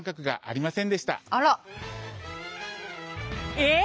え！